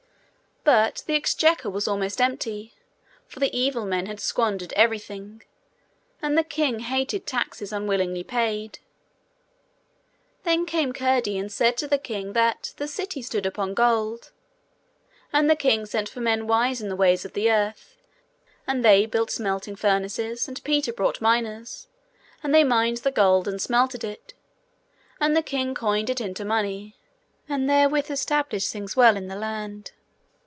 But the exchequer was almost empty, for the evil men had squandered everything, and the king hated taxes unwillingly paid. Then came Curdie and said to the king that the city stood upon gold. And the king sent for men wise in the ways of the earth, and they built smelting furnaces, and Peter brought miners, and they mined the gold, and smelted it, and the king coined it into money, and therewith established things well in the land.